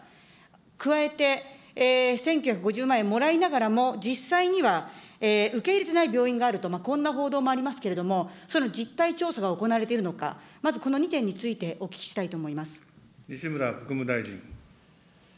加えて、１９５０万円もらいながらも、実際には受け入れてない病院があると、こんな報道もありますけれども、その実態調査が行われているのか、まずこの２点につ西村国務大臣。